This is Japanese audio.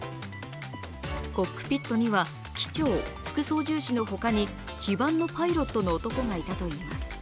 コックピットには機長、副操縦士のほかに非番のパイロットの男がいたということです。